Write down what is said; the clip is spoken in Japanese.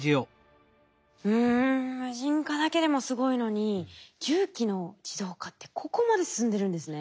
うん無人化だけでもすごいのに重機の自動化ってここまで進んでるんですね。